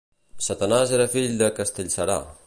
Satanàs era fill de Castellserà.